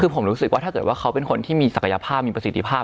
ผมรู้สึกว่าถ้าเขาเป็นคนที่มีศักยภาพมีประสิทธิภาพ